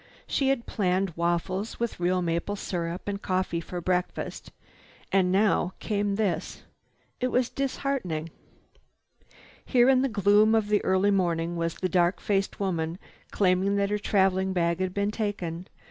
She had planned waffles with real maple syrup and coffee for breakfast. And now came this. It was disheartening. Here in the gloom of early morning was the dark faced woman claiming that her traveling bag had been taken.